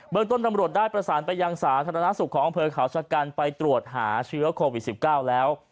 เมืองต้นตำรวจได้ประสานไปยังสาธารณสุขของอำเภอเขาชะกันไปตรวจหาเชื้อโควิด๑๙แล้ว